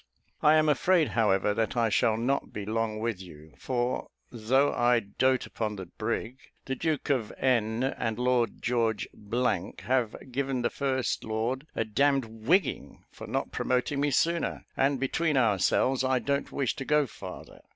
I am afraid, however, that I shall not be long with you; for, though I doat upon the brig, the Duke of N and Lord George , have given the first Lord a d d whigging for not promoting me sooner; and, between ourselves, I don't wish to go farther.